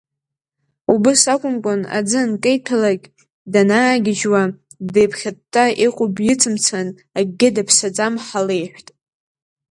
Убыс акәымкәан, аӡы анкеиҭәалагь, данаагьежьуа деиԥхьытта иҟоу бицымцан, акгьы даԥсаӡам, ҳа леиҳәт.